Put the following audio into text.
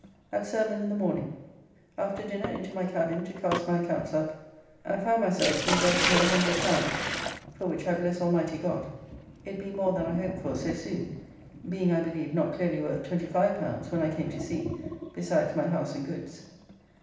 At sermon in the morning; after dinner into my cabin, to cast my accounts up, and find myself to be worth near L100, for which I bless Almighty God, it being more than I hoped for so soon, being I believe not clearly worth L25 when I came to sea besides my house and goods.